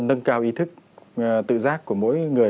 nâng cao ý thức tự giác của mỗi người